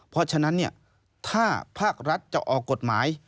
เพราะฉะนั้นถ้าภาครัฐจะออกกฎหมาย